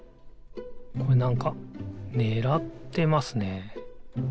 これなんかねらってますね。